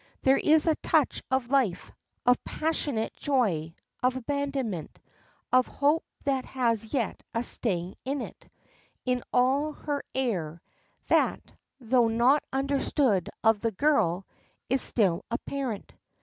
There is a touch of life, of passionate joy, of abandonment, of hope that has yet a sting in it, in all her air, that, though not understood of the girl, is still apparent.